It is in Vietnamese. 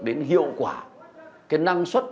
đến hiệu quả cái năng suất